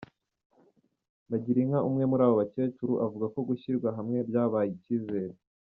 Bagirinka, umwe muri abo bakecuru, avuga ko gushyirwa hamwe byabahaye icyizere.